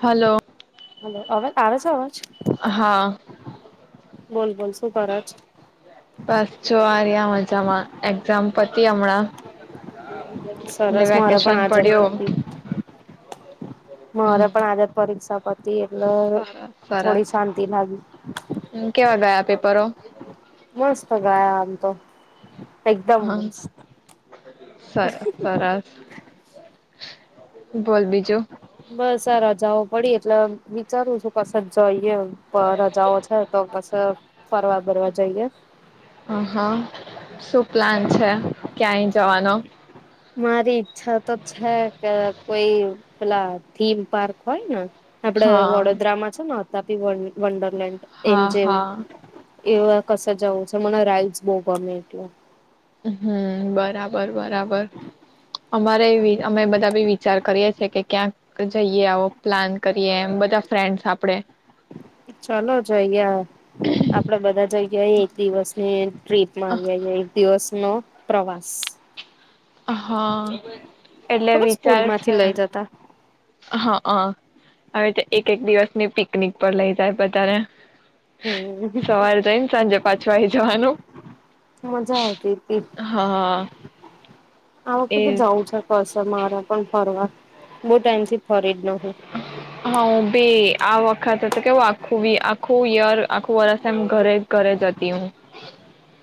Hello. Hello અવે આવે છે અવાજ? હા બોલ બોલ શું કરે છે બસ જો મજામાં એક્ઝામ પતી હમણાં એલે સરસ મારે પણ વેકેશન આજે પડ્યો. જ હતી મારે પણ આજ જ પરીક્ષા પતી એટલે સરસ સરસ થોડી શાંતિ લાગી કેવા ગયા પેપરો મસ્ત ગાયા આમ તો એકદમ હા સરસ સરસ બોલ બીજું રાજાઓ પડી એટલે વિચારવું છું કસે જ રજાઓ છે તો પછ ફરવા ફરવા જઈએ હ હા શું પ્લાન છે ક્યાંય જવાનો મારી ઈચ્છા તો છે કે કોઈ પેલા થીમ પાર્ક હોય ને આપડે હા વડોદરા માં છે [unintelligible] વંડરલન્ડ હા એમજેલ હા એવા કસે જવુ છે મને રાઈડસ બો ગમેટું હમ્મ બરાબર બરાબર અમારે અમે બધા બી વિચાર કરીએ છેીએ કે ક્યાંક જઈએ આવો પ્લાન કરીએ બધા ફ્રેન્ડ આપડે ચાલો જઈયે આપડે બધા જયે આવીયે એક દિવસ ની ટ્રીપમાં આવી એક દિવસ નો પ્રવાસ હા એટલે ખબર સ્કૂલ વિચાર છે માંથી લઈ જતા હા હ હવે તો એક એક દિવસની પ પકનિક પર લઈ જાય બધા ને હમ સવારે જઈને સાંજે પાંચુ અય જવાનું મજા આવતી હતી હા આ એ વખત તો જાઉં છે કસ તમારે પણ ફરવા બહુ ટાઈમ થી ફરી જ ને હા હુ ભી આ વખત તો કેવું આખું આખું યર આખું વરષ એમ ઘરે ઘરે જ હતી હુ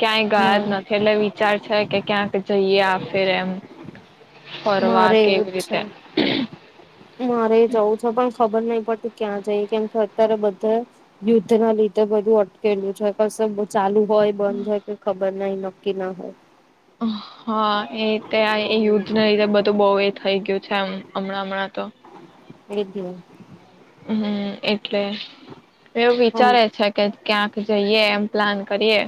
ક્યાંય ગયાજ નથી એટલે વિચાર છે કે ક્યાંક જઈએ આપ ફેર એમ ફરવા મારે એવું કેવી જ છે રીતે મારે જવું છે પણ ખબર નહી પડતી ક્યાં જઈ કેમ કે અત્યારે બધા યુદ્ધ ના લીધે બધું અટકેલું છે કસે ચાલુ હોય બંધ હોય કઈ ખબર બધા ઈ નક્કી ના હોય હા એતે યુદ્ધ ના લીધતે બધ તો બહુ એ થઈ ગયું છે હમણાં હમણાં તો એજ. હ એકટ. એટલે એવું હમ વિચારે છે કે ક્યાંક જઈએ એમ. પ્લાન કરીએ.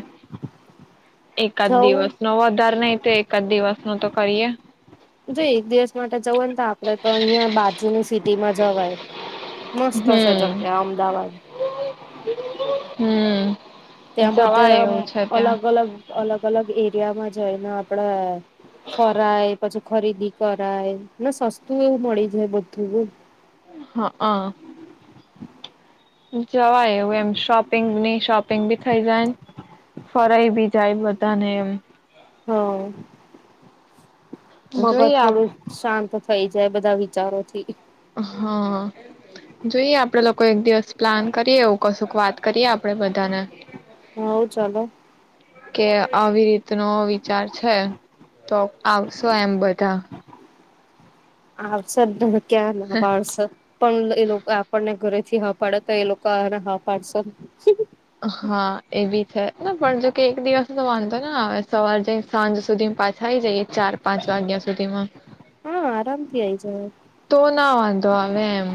એકાદ જવું દિવસ નો વધાર નહી તો એક આધ દિવસ નું તો કરીએ જો એક દિવસ માટે જવું હોય ને ત આપડે તો અહિયાં બાજુની સિટી માં જવાય મસ્ત છે હમ જક્યા અમદાવાદ. હમ. ત્યાં બધા જવાય આમ એવું છે ત્યાં અલગ અલગ અલગ અલગ એરિયામાં જો એને આપડે ફરાય પછી ખરીદી કરાય સસ્તું એવું મળી જાય બધું. હા હા. જવાય એવું એમ શોપિંગ નહી શોપિંગ બી થઈ જાય ફરાઈ બી જાય બધાને એમ હમ મગજ જોઈએ આપ થોડું શાંત. થઈ જાય બધા વિચારોથી હા જોઈએ આપડે લોકો એક દિવસ પ્લાન કરીએ એવું કશુંક વાત કરીએ‌આ આપડે બધાને હવ ચલો કે આવી રીતનો વિચાર છે તો આવશો એમ બધા આવ શ જ બ કના પારસ. પણ એ લોકો આપણને ઘરે થી હા પાડે તો એ લોકોને હા પાડશે હા એ ન હવે સવાર જઈ સાંજ સુધી પાછા આવીઈ જઈએ ચાર પાંચ વાગ્યા સુધીમાં. હા આરામથી આઈ જાય તો ના વાંધો આવે એમ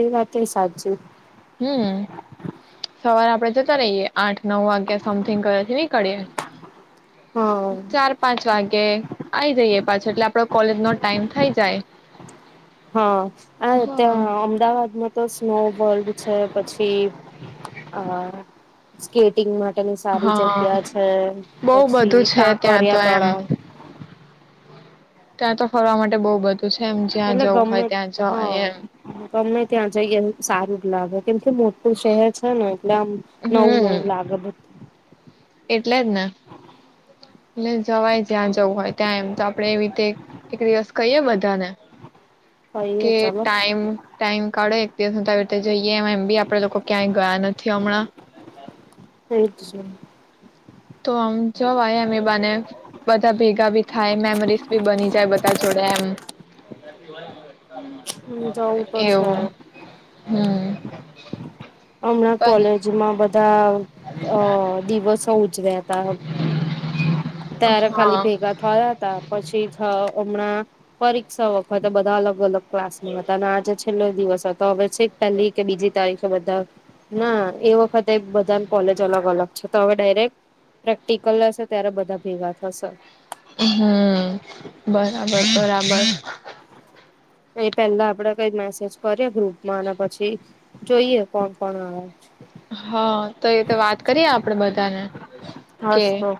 એ વાત સાચું. હમ સવારે આપણેે જતા રહીયએ આઠ નવ વાગ્યાે સમથીિંગ ઘરે થી નિકળી એ હા ચાર પાંચ વાગે આ જઈએ પાછો એટલે આપડો. કોલેજ નો ટાઈમ થઈ જાય. હા્યા હા અમ અમદાવાદમાં. તો સ્નોફોલ છે પછી અ સ્કેટિંગમાં. લી સારી હા, જગ્યા છે બહુ બધું પછી છે ત્યાં તો કાંકરિયા એમ તળાવ ત્યાં તો ફરવા માટે બહ બધું છે એમ જ્યાં એટલે જવું ગમે હોય ત્યાં જ હા એમ ગમે ત્યાં જઈએ એ સારું જ લાગે કેમથી મોટું શહેર છે ને એટલે આમ નવું નવું હમ લાગે બધું એટલે જ ને એટલે જવાય જ્યાં જવું હોય ત્યાં એમ તો આપણેે એવી રીતે એક દિવસ કહીય બધાને ક કે ચાલો ટાઈમ ટાઈમ કાઢો એક દિવસ હું ત આવી રીતે જઈએ એમ એમ બી આપડે લોકો ક્યાંય ગયા નથી હમણાં એજ જવું તો આમ જો આય એમ એ બને બધા ભેગા ભી થાય મેમરીઝ ભી બની જાય બધા જોડે એમ વા. તો છે એવું હમ હમણાં કોલેજમાં બધા અ દિવસો [inaudible] પતા હ. ત્યારે ખાલી હા ભેગા થયા હતા પછી હ હમણાં પરીક્ષા વખતે બધા અલગ અલગ ક્લાસ નો હતા અને આજે છેલ્લો દિવસ તો છેક પહેલી કે બીજી તારીખ ના એ વખતે બધા કોલેજ અલગ અલગ છે તો હવે ડાયરેક્ટ પ્રેક્ટિકલ હશે ત્યારે બધા. ભેગા થસર હમ બરાબર બરાબર એ પેલા આપડે કઈ મેસેજ કરીએ ગ્રુપમાં અને પછી જોઈએ કોણ કોણ આવે હા તો એ તો વાત કરીય આપડે બધાને હસ કે તો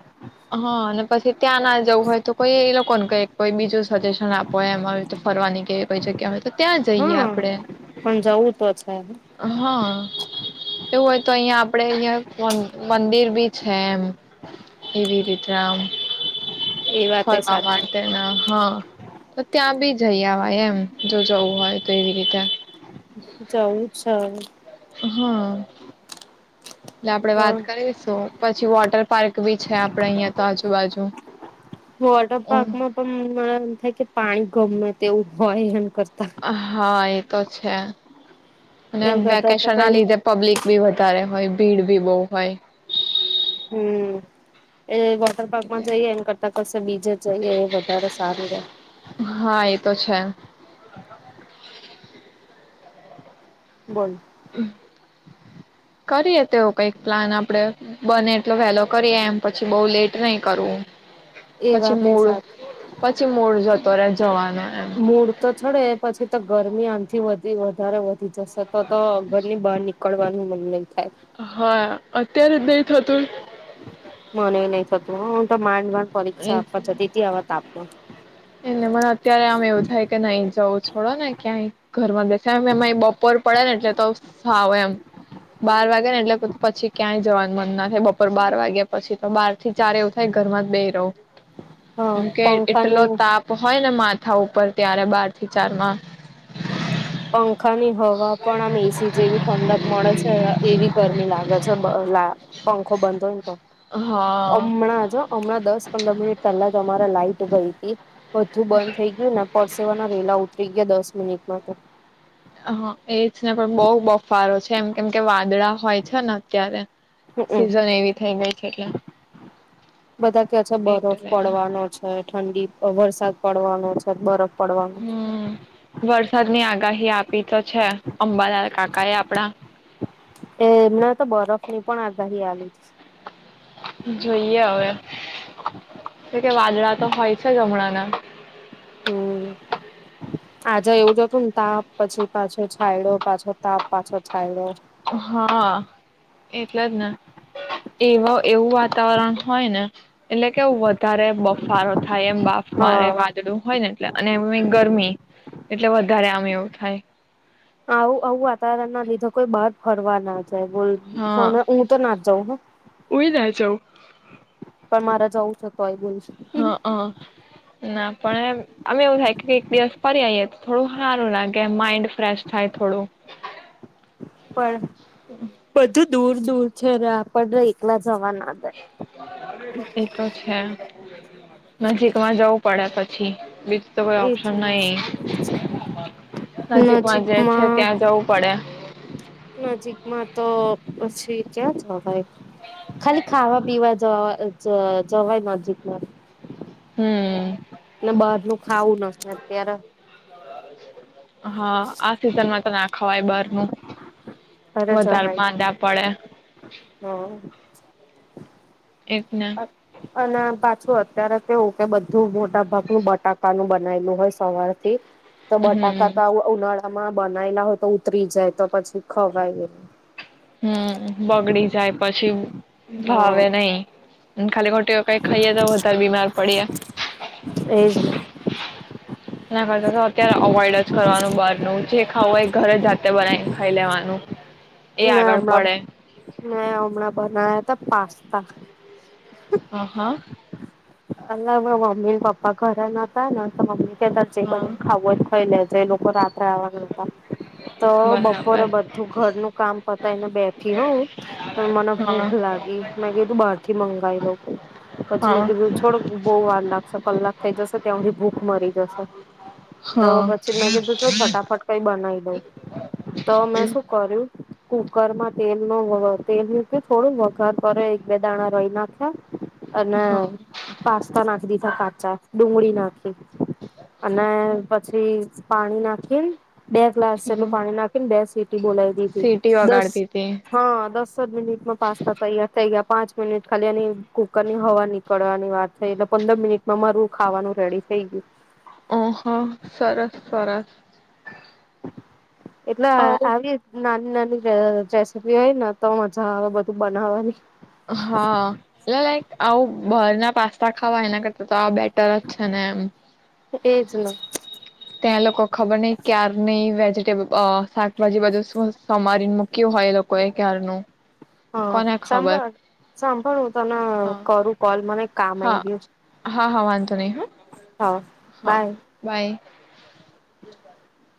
હા અને પછી ત્યાં ના જવું હોય તો કોઈ એ લોકોને કહી કોઈ બીજું સજેશન આપો એમાં હવે તો ફરવાની કોઈ જગ્યા હોય તો ત્યાં જઈએ હા આપડે પણ જવું તો છે હા હોય તો અહિયાયા આપડે અહીંયા મંદિર બી છે એમ જેમ એવી રીતરામ એ વાતે ફરવા સાચી માટેના હા તો ત્યાં બી જઈ આવવાય એમ. જો જવું હોય તો, એવી રીતે જવું છ.? હમમ હા એટલે આપડે વાત પણ કરીશું પછી, વોટર પાર્ક બી છે, આપડે અહિયાં તો આજુબાજુ વોટર પાર્ક માં પણ મને એમ થાય કે, પાણી ગમે તેવું હોય [inaudible] હા એતો છે. અને, એમ કરતા તો વેકેશન ના કઈ લીધે પબ્લિક ભી વધારે હોય. ભીડ બી બહુ હોય. હમમ! એ વોટર પાર્કમાં એટલે જઈએ એને કરતા, કશે બીજે જઈએ એ વધારે સારું છે. હા એ તો [inaudible] બોલ! કરીએ તેવો કંઈક પ્લાન આપડે, બને એટલો વેલો કરીએ એમ પછી બઉ લેટ નહી કરવું. એ પછી વાત મૂળ સાચી પછી મૂળ જતો રે જવાનો એમ [unintelligible] મૂળ તો ચડે પછી તો ગરમી થી વધી, વધારે વધી જશે. તો તો ઘર ની બહાર નીકળ નીકડવાનું મન નઈ થાય. હા અત્યારે જ નહીં થતું. મને નઈ થતું, હું તો માડ માડ એ [unintelligible] એને મને અત્યારે આમ એવું થાય કે નઈ જવું છોડો ને ક્યાંય ઘરમાં બેસેાય, એમાં બપોર પડે ને એટલે તો સાાવ એમ. બાર વાગ એટલે પછી ક્યાંય જવાનું મન ના થાય, બપોર બાર વાગ્યા પછી, તો બાર થી ચાર એવું થાય ઘર માં બેહી તો [inaudible] હા હમ કે એટલો પંખાની તાપ હોય માથા ઉપર ત્યારે બાર થી ચાર માં પંખા ની હવા પણ આમ એસી જેવી ઠંડક મળે છે, એવી ગરમી લાગે છે. લા પંખો બંધ હોય હા હમણાં! જો હમણાં દસ પંદર મિનિટ પહેલા જ તમારા લાઇટ તો ગઈ હે બધું બંધ થઈ ગયું ને, પરસેવાના રેલા ઉતરી ગયા દસ હમ હા તો હા એજ ને પણ બઉ બફારો છે જેમ કેમ કે વાદળા હોય છે ને અત્યારે હમમ સિઝન એવી થઈ ગઈ છે એટલે બધા ક્હ છે બરફ એટલે પડવાનો છે. ઠંડી વરસાદ પડવાનો છે બરફ પડવાનો હમ વરસાદ ની આગાહી આપ આપડા એ એમના તો બરફ ની પણ આગાહી આવે [inaudible] જોઈએ હવે. તો કે વાદળા તો હોય છે જ હમણાં [inaudible] હમ આજા એવું જ હતું ને તાપ પછી પાછો છાયડ્યો પાછો તાપ પાછો છાયડ્યો હા એટલે જ ને એવા એવું વાતાવરણ હોય ને એટલે કેવુ હ વત વધારે બફારો થાય એમ બાફ મારે હા વાદળું હોય ને એટલે એમય એ ગરમી એટલે વધારે આમ એવું થાય આવું આવું વાતાવરણ ના લીધે કોઈ બહાર ફરવા ના બોલ હા હું તો નાચ જાઉં હ ઉઈ ના જવું પણ મારા જ છો તોય બો હ હ ના પણ અમે એવું થાય કે એક દિવસ ફરી આવીઈએ થોડું સારું લાગે માઈન્ડ ફ્રેશ થાય થોડું પણ બધું દૂર દૂર છે ત્યપણ એકલા જ. એ તો છે. નજીક માં જવું પડે પછી બીજ એ જ જે છે નજીકમાં ત્યાં જવું પડે નજીકમાં તો પછી ક્યા જવાય ખાલી ખાવા પીવા જવા જવાય નજીકમાં હમ બહાર નું ખાવું ન અત્યારે હા, આ સિઝનમાં તો નાખ હવાઈ બાર નું વધારે માદા પડે હા એકના અને પાછું અત્યારે તેવું કે બધું મોટા ભાગનું બટાકાનું બનાયલું હોય સવારથી તો બટાકા ત હમ ઉનાળ તમામાં બનાયલા હોય તો ઉતરી જાય તો પછી ખવાય ગે હમ બગડી જાય પછી હા ભાવે નહી હમાખાલી કઈ ખાઈએ તો વધારે બીમાર પડીએ એજ ના ભજ [unintelligible] કત્યારે અવોઈડ જ કરવાનું બહારનું જે ખાવું એ ઘરે જાતે બનાવીને ખાઈ લેવાનું એ આગળ પડે મે હમણા બનાયા હતા પાસ્તા હ હા અ મમ્મી ને પપ્પા ઘરે નતા તો મમ્મી સાચ હા ખાાવ હોય તો ખાઇ લે તે લોકોક રાત્ર આવાગતા તો બપોરે બરાબર બધું ઘરનું કામ પતાયને બેઠી હઉં તો મને હા ભૂખ લાગી મેં કીધું બહાર થી મંગીઉ પછી હા મેં કીધું છોડ બઉ વાર લાગ કલાક થઈ જશે ત્યાી ભૂખ મરી તો હા પછી મેં કીધું છે ફટાફટ કઈ બનાવી બ. તોમે શું કર્યું. કુકરમાં તેલ ન તેલનું થોડું વઘાર કર એક બે દાણા રહી નાખ્યા અને હા પાસ્તા નાખ દીધા કાચા ડુંગળી નાખી. અને પછી. પાણી નાખી બે ગ્લાસ હ જેટલું પાણી નાખી ને બે સી બોય છે સીટી દસ વગાડતી હતી હા દસ જ મિનિટમાં પાસ્તા તૈયાર થઈ ગયા પાંચ મિનિટ ખાલી એની કુકર ની હવા નીકળવાની વાત થઈ એટલે પંદર મિનિટમાં મારું ખાવાનું રેડી થઈ ગયું ઓહ સરસ સરસ એટલે આવ આવી ના ન રેસીપી હોય ને તો મજા આવે બધું બનાવવાની બહાર ના પાસ્તા ખાવા એના કરતા તો આ બેઠ [unintelligible] છે એજ ને [inaudible] તે લોકો. ખબર નહી ક્યાર નહી શાકભાજી [unintelligible] સોમારીને મૂક્યું હોય એ લોકો એ ક્યારનું. હા કોને ખબર સાંભળ સાંભળ હું તને હા કરું કોલ મને કામ હા આવી ગયું છે, હા હા વાંધો નહી હા હા હા બાય. [inaudible]